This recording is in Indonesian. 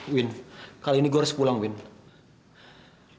winn kali ini gue harus pulang winn